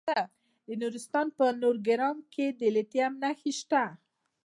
د نورستان په نورګرام کې د لیتیم نښې شته.